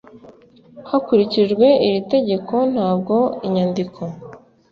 hakurikijwe iri tegeko Ntabwo inyandiko